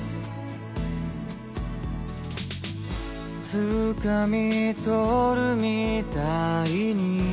「つかみとるみたいに」